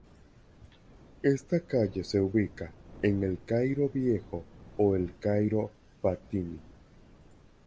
Esta calle se ubica en El Cairo viejo o El Cairo fatimí.